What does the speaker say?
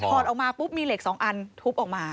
อดออกมาปุ๊บมีเหล็กสองอันทุบออกมา